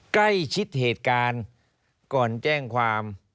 ใกล้ชิดเหตุการณ์ก่อนแจ้งความ